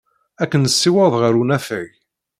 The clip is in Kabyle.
Ad k-nessiweḍ ɣer unafag.